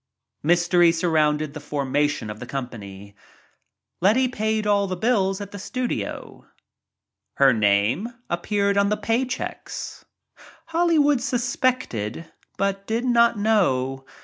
Mystery surrounded the formation of the com pany — Letty paid all the bills at the studio — her name appeared on the pay checks. Hollywood sus pected but did not know.